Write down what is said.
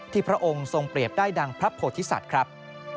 พระองค์ทรงเปรียบได้ดังพระโพธิสัตว์ครับ